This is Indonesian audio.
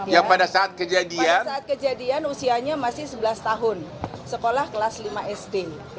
yang pada saat kejadian usianya masih sebelas tahun sekolah kelas lima sd